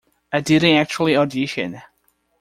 I didn't actually audition.